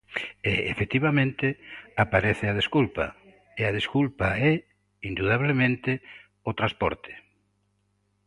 E, efectivamente, aparece a desculpa, e a desculpa é, indubidablemente, o transporte.